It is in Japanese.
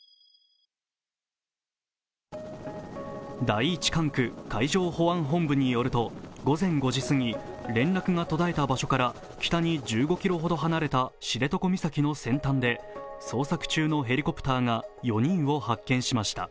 第一管区海上保安本部によると午前５時過ぎ、連絡が途絶えた場所から北に１５ｋｍほど離れた知床岬の先端で捜索中のヘリコプターが４人を発見しました。